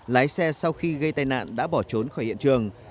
lái xe sau khi gây tai nạn đã bỏ trốn khỏi hiện trường